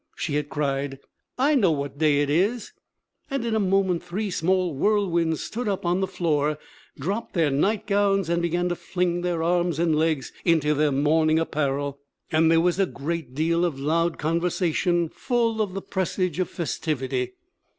she had cried, 'I know what day it is!' And in a moment three small whirlwinds stood up on the floor, dropped their nightgowns, and began to fling their arms and legs into their morning apparel, and there was a great deal of loud conversation full of the presage of festivity.